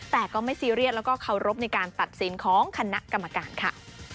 แต่ก็ไม่ซีเรียสแล้วก็เคารพในการตัดสินของคณะกรรมการค่ะ